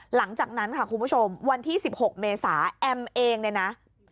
หลังจากนั้นค่ะคุณผู้ชมวันที่๑๖เมษาแอมเองเนี่ยนะ